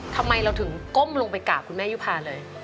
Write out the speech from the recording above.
ทำไมเราถึงก้มลงไปกราบคุณแม่ยุภาเลย